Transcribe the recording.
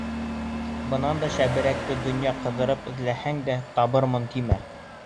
Бынан да шәберәкте донъя ҡыҙырып эҙләһәң дә табырмын тимә!